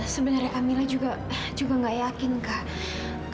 sebenarnya kamila juga gak yakin kak